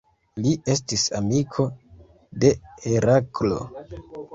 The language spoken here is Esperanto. Li estis amiko de Heraklo.